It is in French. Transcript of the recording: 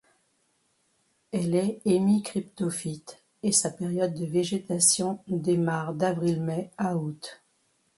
Elle est hémicryptophyte et sa période de végétation démarre d'avril-mai à août.